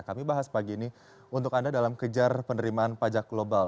kami bahas pagi ini untuk anda dalam kejar penerimaan pajak global